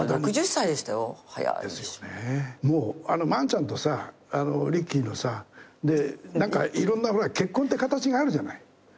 萬ちゃんとリッキーのさ何かいろんなほら結婚ってかたちがあるじゃない。